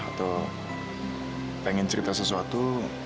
atau pengen cerita sesuatu